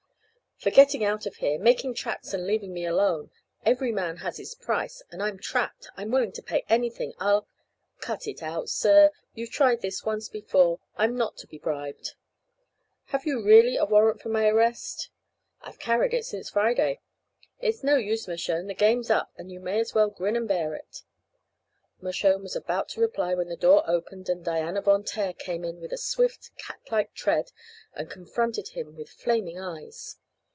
"For getting out of here making tracks and leaving me alone. Every man has his price, and I'm trapped I'm willing to pay anything I'll " "Cut it out, sir. You've tried this once before. I'm not to be bribed." "Have you really a warrant for my arrest?" "I've carried it since Friday. It's no use, Mershone, the game's up and you may as well grin and bear it." Mershone was about to reply when the door opened and Diana Von Taer came in with a swift, catlike tread and confronted him with flaming eyes.